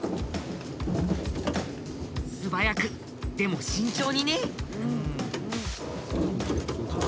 素早くでも慎重にね。